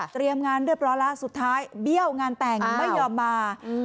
เตรียมงานเรียบร้อนละสุดท้ายเบี้ยวงานแต่งไม่ยอมมาอ้าว